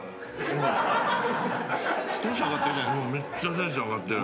テンション上がってる。